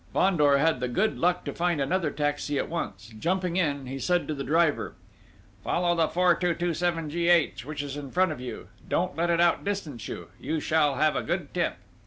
Fandor had the good luck to find another taxi at once; jumping in, he said to the driver: "Follow the 4227 G.H. which is in front of you: don't let it outdistance you ... you shall have a good tip!"